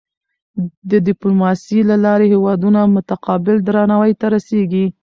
د ډیپلوماسۍ له لارې هېوادونه متقابل درناوي ته رسيږي.